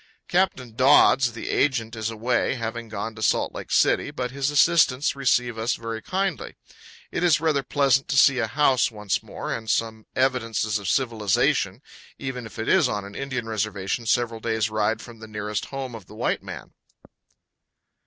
Captain Dodds, the agent, is away, having gone to Salt Lake City, but his assistants receive us very kindly. It is rather pleasant to see a house once more, and some evidences of civilization, even if it is on an Indian reservation several days' ride from the nearest home of the white man.